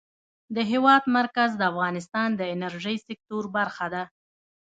د هېواد مرکز د افغانستان د انرژۍ سکتور برخه ده.